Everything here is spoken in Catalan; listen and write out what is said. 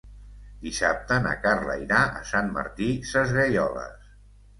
Dissabte na Carla irà a Sant Martí Sesgueioles.